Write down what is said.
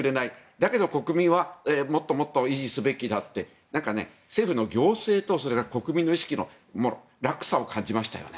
だけど国民はもっと維持すべきだって政府の行政と国民の意識の落差を感じましたよね。